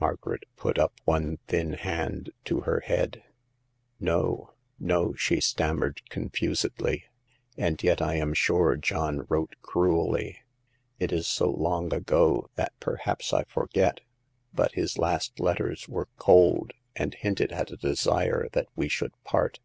Margaret put up one thin hand to her head. No, no," she stammered, confusedly ;and yet I am sure John wrote cruelly. It is so long ago that perhaps I forget ; but his last letters were cold, and hinted at a desire that we should part.